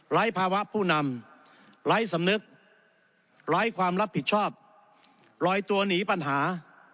ภาวะผู้นำไร้สำนึกไร้ความรับผิดชอบลอยตัวหนีปัญหา